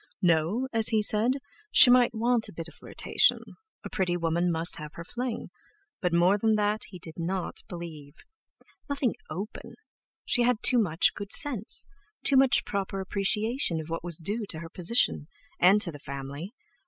No—as he said—she might want a bit of flirtation—a pretty woman must have her fling; but more than that he did not believe. Nothing open; she had too much good sense, too much proper appreciation of what was due to her position, and to the family!